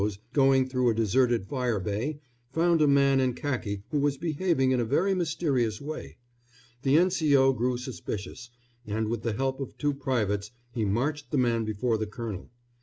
s, going through a deserted fire bay, found a man in khaki who was behaving in a very mysterious way. The N.C.O. grew suspicious, and with the help of two privates he marched the man before the colonel.